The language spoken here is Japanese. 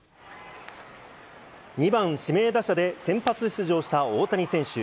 ２番指名打者で先発出場した大谷選手。